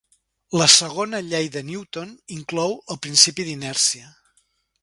La segona llei de Newton inclou el principi d'inèrcia.